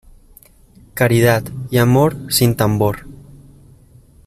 Caridad y amor, sin tambor.